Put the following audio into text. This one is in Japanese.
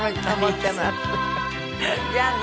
じゃあね。